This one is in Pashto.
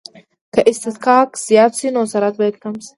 که اصطکاک زیات شي نو سرعت باید کم شي